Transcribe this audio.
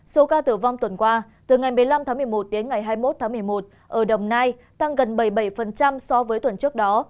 số ca tử vong tuần qua từ ngày một mươi năm tháng một mươi một đến ngày hai mươi một tháng một mươi một ở đồng nai tăng gần bảy mươi bảy so với tuần trước đó